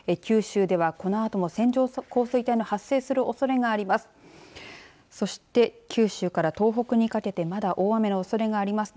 九州では、このあとも線状降水帯の発生するおそれがあります。